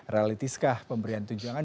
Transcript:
realitis kah pemberian tujuan